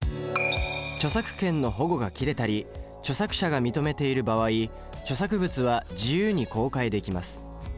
著作権の保護が切れたり著作者が認めている場合著作物は自由に公開できます。